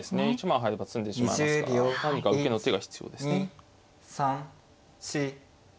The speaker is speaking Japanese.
１枚入れば詰んでしまいますから何か受けの手が必要ですね。